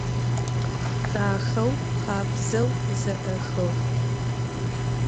Daxeu, khabzeu ze'exığ.